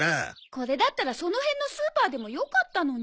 これだったらその辺のスーパーでもよかったのに。